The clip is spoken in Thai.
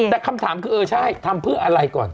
แต่คำถามคือเออใช่ทำเพื่ออะไรก่อน